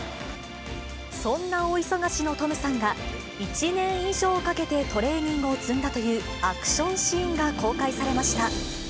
そんな大忙しのトムさんが、１年以上かけてトレーニングを積んだというアクションシーンが公開されました。